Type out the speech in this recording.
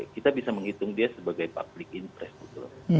kita bisa menghitung dia sebagai public interest